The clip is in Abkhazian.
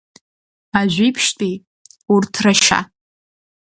Ажәиԥшьтәи, урҭ рашьа…